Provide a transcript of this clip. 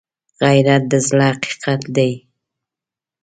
غیرت د زړه حقیقت دی